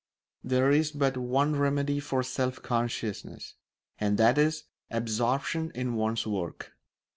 There is but one remedy for self consciousness, and that is absorption in one's work.